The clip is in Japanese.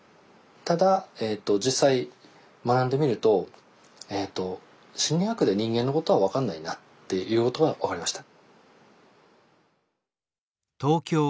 ただ実際学んでみると心理学で人間のことは分かんないなっていうことが分かりました。